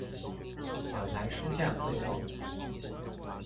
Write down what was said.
兩排書架對望